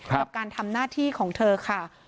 กับการทำหน้าที่ของเธอค่ะ